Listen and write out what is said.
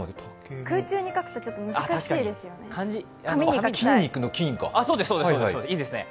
空中に書くとちょっと難しいですよね。